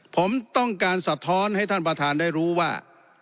ผมต้องการสะท้อนให้ท่านประธานได้รู้ว่า